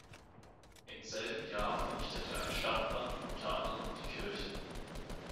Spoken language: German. Im selben Jahr vernichtete ein Stadtbrand unter anderem die Kirche.